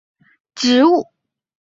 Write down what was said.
灰背杨是杨柳科杨属的植物。